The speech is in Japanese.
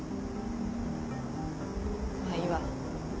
まぁいいわ。